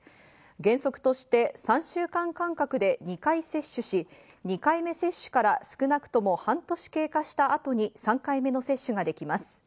原則として３週間間隔で２回接種し、２回目接種から少なくとも半年経過した後に、３回目の接種ができます。